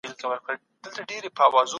د علم لپاره بېلابېل تعریفونه وړاندې سوي دي.